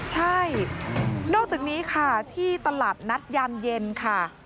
ใช่นอกจากนี้ค่ะที่ตลาดนัดยามเย็นค่ะ